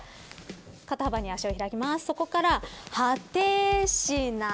肩幅に足を開きます。